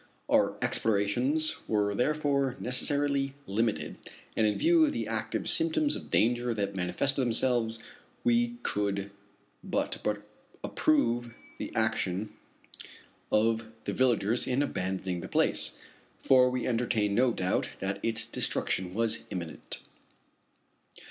Our explorations were therefore necessarily limited, and in view of the active symptoms of danger that manifested themselves, we could but approve the action of the villagers in abandoning the place; for we entertained no doubt that its destruction was imminent.